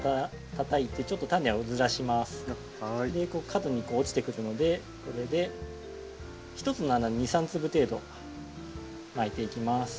角にこう落ちてくるのでこれで１つの穴に２３粒程度まいていきます。